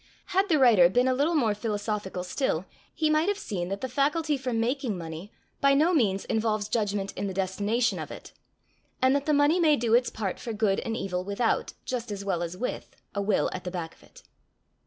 Had the writer been a little more philosophical still, he might have seen that the faculty for making money by no means involves judgment in the destination of it, and that the money may do its part for good and evil without, just as well as with, a will at the back of it.